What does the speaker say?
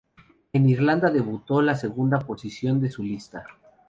En Irlanda debutó en la segunda posición de su lista.